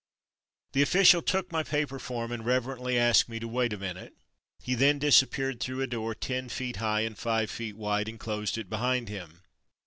The official took my paper form and reverently asked me to "wait a minute.'' He then disappeared through a door ten feet high and five feet wide, and closed it behind him.